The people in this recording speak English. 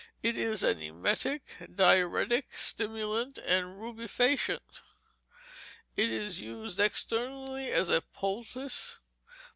It is an emetic, diuretic, stimulant, and rubefacient. It is used externally as a poultice.